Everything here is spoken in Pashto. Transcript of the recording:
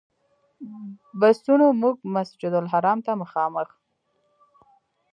بسونو موږ مسجدالحرام ته مخامخ.